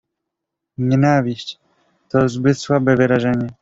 "Nienawiść, to zbyt słabe wyrażenie."